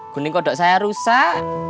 gunting kodok saya rusak